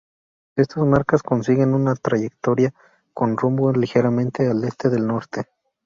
Estas marcas siguen una trayectoria con rumbo ligeramente al este del norte.